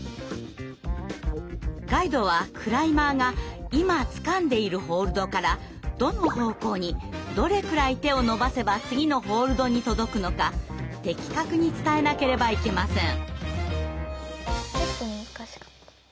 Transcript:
ガイドはクライマーが今つかんでいるホールドからどの方向にどれくらい手を伸ばせば次のホールドに届くのか的確に伝えなければいけません。